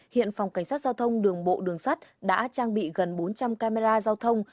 hiện phòng cảnh sát giao thông đường bộ đường sắt đã trang bị gần bốn trăm linh camera giao thông